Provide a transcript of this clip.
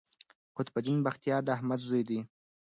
قطب الدین بختیار د احمد زوی دﺉ.